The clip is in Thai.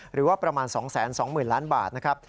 หรือว่าประมาณ๒๒๐๐๐ล้านบาทนะครับ